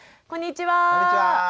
こんにちは。